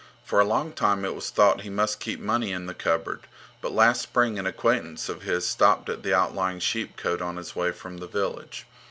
For a long time it was thought that he must keep money in the cupboard, but last spring an acquaintance of his stopped at the outlying sheepcote on his way from the village.